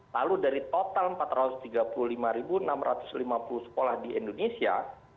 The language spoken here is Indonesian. lalu dari total empat ratus tiga puluh lima enam ratus lima puluh sekolah di indonesia